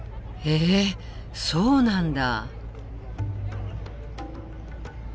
えそうなんだ。